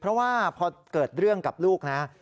เพราะว่าพอเกิดเรื่องกับลูกนะ